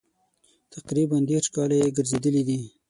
تقریبا دېرش کاله یې ګرځېدلي دي.